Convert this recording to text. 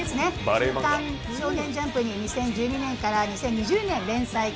週刊少年ジャンプに２０１２年から２０２０年、連載。